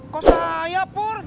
kok saya pur